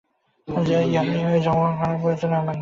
য়াহুদী হইয়া জন্মগ্রহণ করার প্রয়োজনও আমার নাই।